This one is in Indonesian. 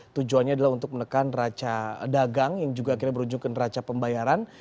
tujuannya adalah untuk menekan raca dagang yang juga akhirnya berujung ke neraca pembayaran